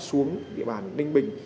xuống địa bàn ninh bình